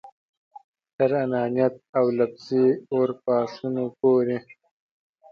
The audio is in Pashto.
تر انانیت او لفظي اورپاشنو پورې.